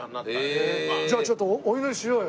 じゃあちょっとお祈りしようよ。